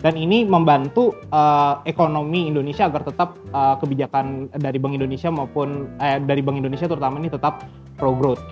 dan ini membantu ekonomi indonesia agar tetap kebijakan dari bank indonesia maupun dari bank indonesia terutama ini tetap pro growth